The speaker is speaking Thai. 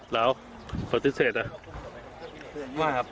แล้วพอติดเศษนะ